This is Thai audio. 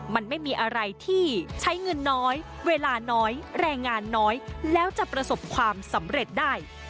มันไม่มีอะไรที่ใช้เงินน้อยเวลาน้อยแรงงานน้อยแล้วจะประสบความสำเร็จได้